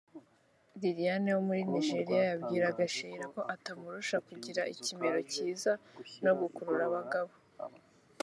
Lilian wo muri Nigeria yabwiraga Sheillah ko atamurusha kugira ikimero cyiza no gukurura abagabo